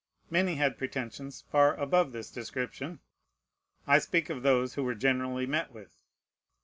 Many had pretensions far above this description. I speak of those who were generally met with.